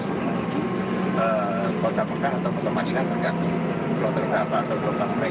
sudah ada produser cnn indonesia radian febiros asal dibuat jemaah r dan mengumumkan modeling dan proses depoli jemaah dan makhlid